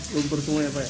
lumpur semua ya pak